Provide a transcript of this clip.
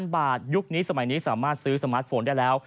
บาทยุคนี้สมัยนี้สามารถซื้อสมาร์ทโฟนได้แล้ว